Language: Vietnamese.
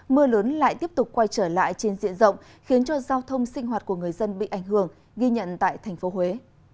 mưa lớn lại tiếp tục quay trở lại trên diện rộng khiến cho giao thông sinh hoạt của người dân bị ảnh hưởng ghi nhận tại thành phố huế